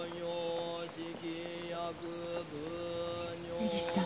根岸さん